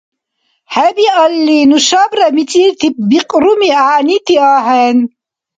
ХӀебиалли, нушабра мицӀирти бикьруми гӀягӀнити ахӀен.